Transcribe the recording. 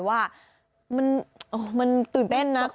มันตื่นเต้นนะ